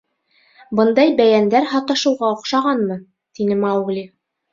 — Бындай бәйәндәр һаташыуға оҡшамағанмы? — тине Маугли.